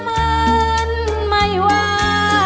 เขาจะเชิญไม่ว่า